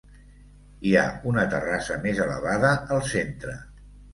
Hi ha una terrassa més elevada al centre.